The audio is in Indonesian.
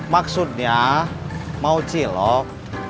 maksudnya mau cilok